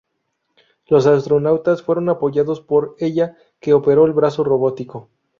Los astronautas fueron apoyados por ella, que opera el brazo robótico.